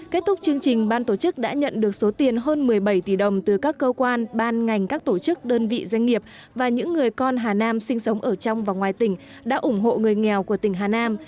kết thúc chương trình ban tổ chức đã nhận được số tiền hơn một mươi bảy tỷ đồng từ các cơ quan ban ngành các tổ chức đơn vị doanh nghiệp và những người con hà nam sinh sống ở trong và ngoài tỉnh đã ủng hộ người nghèo của tỉnh hà nam